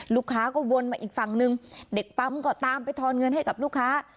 ลูกค้าก็วนมาอีกฝั่งหนึ่งเด็กปั๊มก็ตามไปทอนเงินให้กับลูกค้า